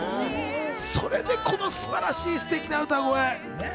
それでこの素晴らしいステキな歌声。